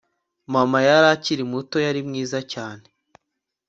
Mama yari akiri muto yari mwiza cyane